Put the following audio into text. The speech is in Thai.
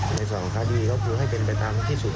ในส่องขาดีเขาก็ให้เป็นไปตามที่สุด